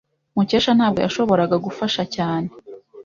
Mukesha ntabwo yashoboraga gufasha cyane.